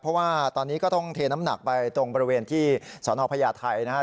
เพราะว่าตอนนี้ก็ต้องเทน้ำหนักไปตรงบริเวณที่สนพญาไทยนะครับ